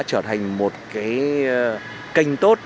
trở thành một kênh tốt